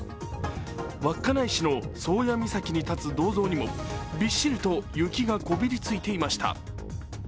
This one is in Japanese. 稚内市の宗谷岬に建つ銅像にもびっしりと雪がこびりついていました。